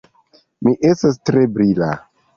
Mi estas tre brila.